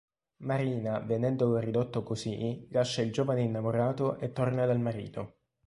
Marina, vedendolo ridotto così, lascia il giovane innamorato e torna dal marito.